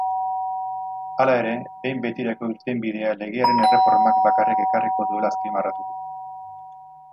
Hala ere, behin betirako irtenbidea legearen erreformak bakarrik ekarriko duela azpimarratu du.